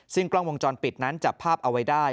ซึ่งกล้องวงจรปิดนั้นจับภาพเอาไว้ได้